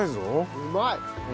うまい！